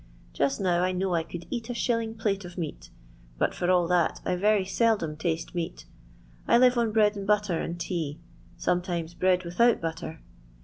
Just now I know I could eat a shilling plate of meat, but for all that I very seldom taste meat I live on bread and butter and tea, sometimes bread without butter.